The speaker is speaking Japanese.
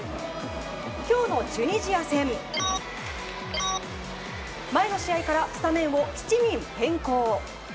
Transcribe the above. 今日のチュニジア戦前の試合からスタメンを７人変更。